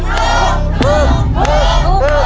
ถูก